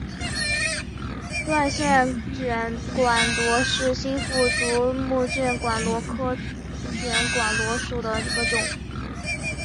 断线卷管螺是新腹足目卷管螺科卷管螺属的一个种。